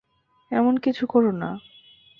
এমন কিছু কোরো না।